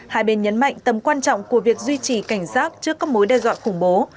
hai bên nhấn mạnh tầm quan trọng của việc duy trì cảnh giác trước các mối đe dọa khủng bố